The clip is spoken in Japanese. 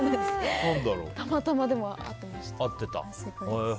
たまたま合ってました。